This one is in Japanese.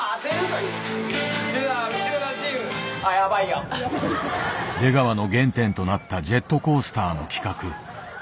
・それでは内村チーム！出川の原点となったジェットコースターの企画。